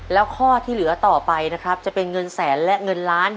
แล้วข้อที่เหลือต่อไปนะครับจะเป็นเงินแสนและเงินล้าน